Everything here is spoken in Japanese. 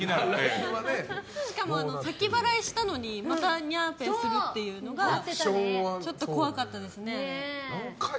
しかも先払いしたのにまたニャーＰａｙをするっていうのがちょっと怖かったですね。